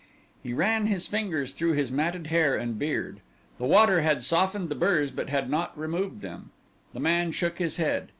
He ran his fingers through his matted hair and beard. The water had softened the burrs but had not removed them. The man shook his head.